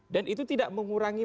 dan itu tidak mengurangi